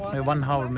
perjalanan satu jam